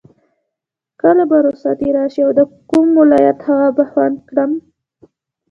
کله به رخصتي راشي او د کوم ولایت هوا به خوند کړم.